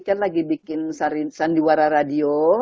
kan lagi bikin sandiwara radio